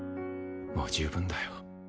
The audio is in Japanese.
もう十分だよ。